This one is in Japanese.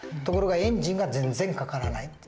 ところがエンジンが全然かからない。